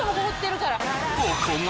ここが。